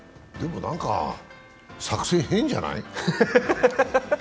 でも何か作戦、変じゃない？